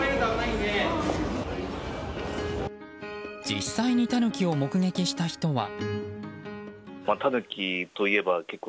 実際にタヌキを目撃した人は。